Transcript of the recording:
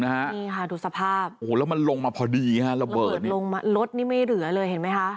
นี่ค่ะดูสภาพโอ้โหแล้วมันลงมาพอดีฮะระเบิดลงมารถนี่ไม่เหลือเลยเห็นไหมคะ